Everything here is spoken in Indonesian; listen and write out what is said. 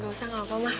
gak usah gak apa apa mah